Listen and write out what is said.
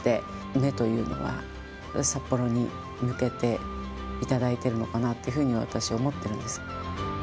目というのは、札幌に向けていただいているのかなというふうに、私、思ってます。